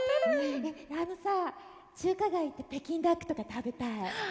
あのさ中華街行って北京ダックとか食べたい。